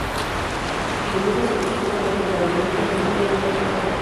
Debido a su postura contra la violencia ha sufrido diversos ataques.